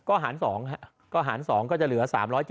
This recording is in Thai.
ก็หาร๒ก็หาร๒ก็จะเหลือ๓๗